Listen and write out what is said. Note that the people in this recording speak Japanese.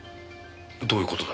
どういう事だ？